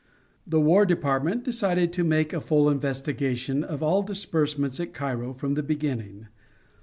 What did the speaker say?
The War Department decided to make a full investigation of all disbursements at Cairo from the beginning.